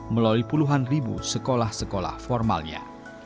melalui puluhan ribu sekolah sekolah formalnya